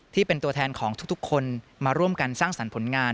ที่เป็นตัวแทนของทุกคนมาร่วมกันสร้างสรรค์ผลงาน